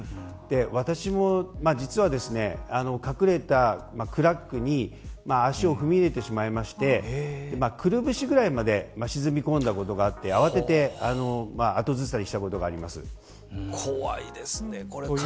私も実は隠れたクラックに足を踏み入れてしまってくるぶしぐらいまで沈み込んだことがあって慌てて、後ずさりしたことが怖いですね。